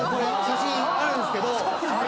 写真あるんですけど。